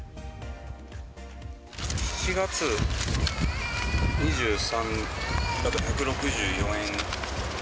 ７月２３だと１６４円。